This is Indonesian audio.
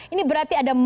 ini berarti ada margin